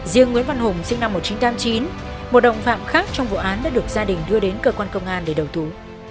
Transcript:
riêng nguyễn văn hùng sinh năm một nghìn chín trăm tám mươi chín một đồng phạm khác trong vụ án đã được gia đình đưa đến cơ quan công an để đầu thú